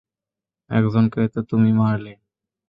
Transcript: একজনকে তো তুমি মারলে।